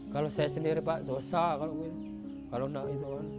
kalau saya sendiri pak susah kalau nggak gitu